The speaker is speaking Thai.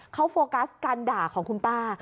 เขาโฟกัสการด่าของคุณป้า